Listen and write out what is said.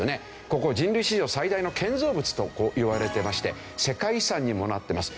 ここ人類史上最大の建造物といわれてまして世界遺産にもなってます。